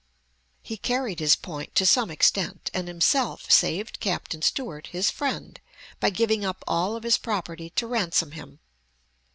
He carried his point to some extent, and himself saved Captain Stewart, his friend, by giving up all of his property to ransom him.